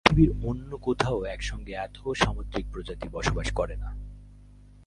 পৃথিবীর অন্য কোথাও একসঙ্গে এত সামুদ্রিক প্রজাতি বসবাস করে না।